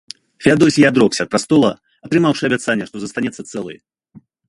Феадосій адрокся ад прастола, атрымаўшы абяцанне, што застанецца цэлы.